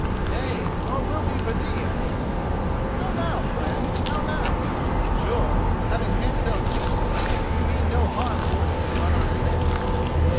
"Nay, nor will be for thee, Eric." "How now, friend? how now? Sure, having handselled peace to us, ye mean no harm towards two unarmed men?"